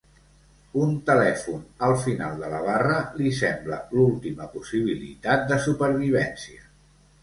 Un telèfon al final de la barra li sembla l'última possibilitat de supervivència.